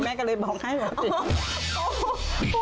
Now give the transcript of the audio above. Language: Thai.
แม่ก็เลยบอกให้เวลาสิ